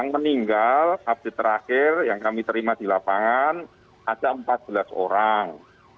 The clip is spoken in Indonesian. yang meninggal update terakhir yang kami terima di lapangan ada empat belas orang